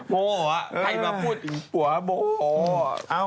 ปี๊ตอีกแล้ว